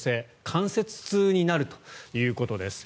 関節痛になるということです。